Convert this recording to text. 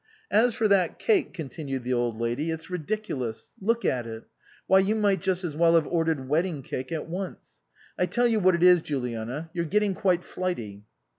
" As for that cake," continued the Old Lady, " it's ridiculous. Look at it. Why, you might just as well have ordered wedding cake at once. I tell you what it is, Juliana, you're getting quite flighty."